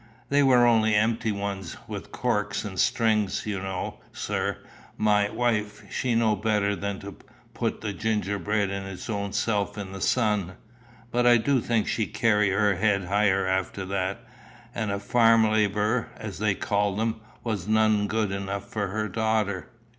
"They were only empty ones, with corks and strings, you know, sir. My wife, she know better than put the ginger beer its own self in the sun. But I do think she carry her head higher after that; and a farm labourer, as they call them, was none good enough for her daughter."